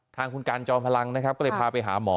ทางคุณการจอมพลังก็เลยพาไปหาหมอ